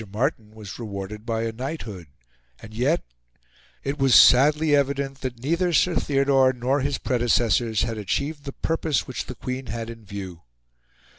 Martin was rewarded by a knighthood; and yet it was sadly evident that neither Sir Theodore nor his predecessors had achieved the purpose which the Queen had in view.